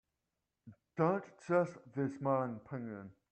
Don't trust the smiling penguin.